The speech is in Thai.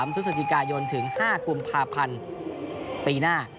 คือสถิกายนถึง๕กุมพาพันธุ์ปีหน้า